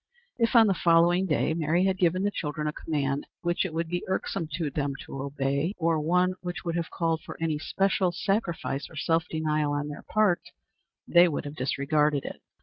If, on the following day, Mary had given the children a command which it would be irksome to them to obey, or one which would have called for any special sacrifice or self denial on their part, they would have disregarded it.